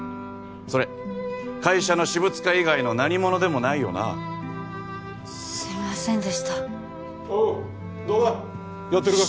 それ会社の私物化以外の何ものでもないよなすいませんでしたおうどうだやってるか？